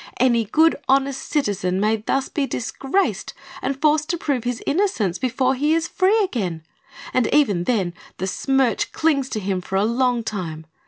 Any good, honest citizen may be thus disgraced and forced to prove his innocence before he is free again; and even then the smirch clings to him for a long time.